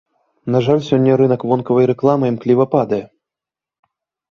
На жаль, сёння рынак вонкавай рэкламы імкліва падае.